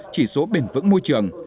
chỉ số bền vững môi trường